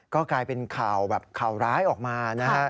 ก็กลายเป็นข่าวแบบข่าวร้ายออกมานะฮะ